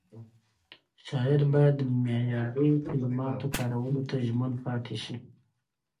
شاعر باید معیاري کلماتو کارولو ته ژمن پاتې شي.